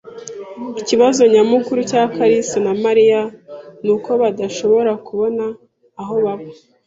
Ikibazo nyamukuru cya karasira na Mariya nuko badashobora kubona aho baba.